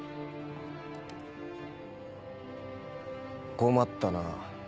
困ったな。